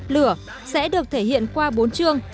lửa sẽ được thể hiện qua bốn trường